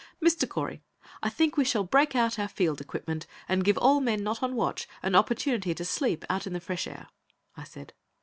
"Mr. Correy, I think we shall break out our field equipment and give all men not on watch an opportunity to sleep out in the fresh air," I said.